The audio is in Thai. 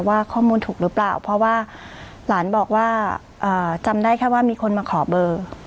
ว่าข้อมูลถูกหรือเปล่าเพราะว่าหลานบอกว่าจำได้แค่ว่ามีคนมาขอเบอร์